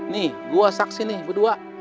nih gue saksi nih berdua